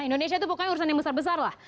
indonesia itu pokoknya urusan yang besar besar lah